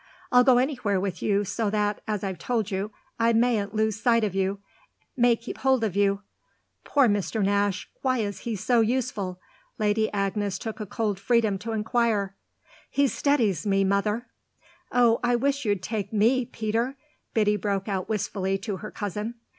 "I'll go anywhere with you so that, as I've told you, I mayn't lose sight of you may keep hold of you." "Poor Mr. Nash, why is he so useful?" Lady Agnes took a cold freedom to inquire. "He steadies me, mother." "Oh I wish you'd take me, Peter," Biddy broke out wistfully to her cousin.